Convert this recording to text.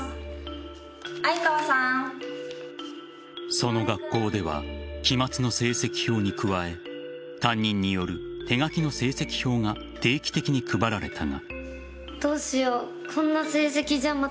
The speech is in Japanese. その学校では期末の成績表に加え担任による手書きの成績表が定期的に配られたが。